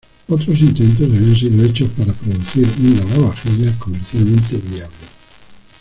Otros intentos habían sido hechos para producir un lavavajillas comercialmente viable.